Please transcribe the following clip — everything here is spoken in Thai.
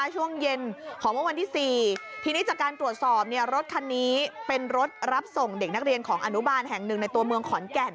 ช่วงเย็นของเมื่อวันที่๔ทีนี้จากการตรวจสอบเนี่ยรถคันนี้เป็นรถรับส่งเด็กนักเรียนของอนุบาลแห่งหนึ่งในตัวเมืองขอนแก่น